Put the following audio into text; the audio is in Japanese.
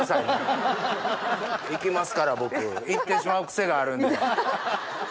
いきますから僕いってしまう癖があるんで。